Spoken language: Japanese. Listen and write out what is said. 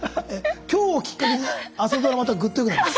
今日をきっかけに朝ドラまたグッと良くなります。